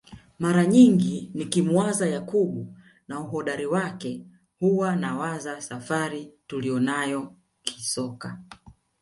Mara nyingi nikimuwaza Yakub na uhodari wake huwa nawaza safari tuliyonayo kisoka